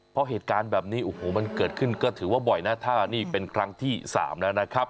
เพราะเหตุการณ์แบบนี้โอ้โหมันเกิดขึ้นก็ถือว่าบ่อยนะถ้านี่เป็นครั้งที่๓แล้วนะครับ